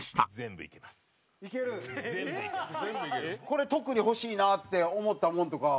これ特に欲しいなって思ったもんとか。